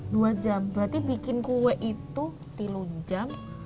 dua jam berarti bikin kue itu tilu jam